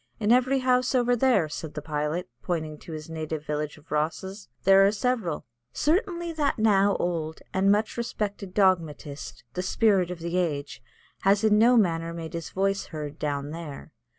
"In every house over there," said the pilot, pointing to his native village of Rosses, "there are several." Certainly that now old and much respected dogmatist, the Spirit of the Age, has in no manner made his voice heard down there.